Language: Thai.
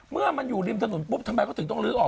เมื่อมันอยู่ริมถนนปุ๊บทำไมเขาถึงต้องลื้อออก